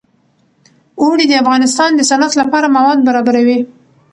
اوړي د افغانستان د صنعت لپاره مواد برابروي.